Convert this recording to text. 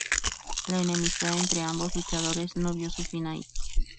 La enemistad entre ambos luchadores no vio su fin ahí.